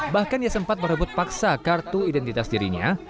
bahkan ia sempat merebut paksa kartu identitas dirinya